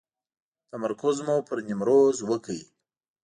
تمرکز مو پر نیمروز وکړ.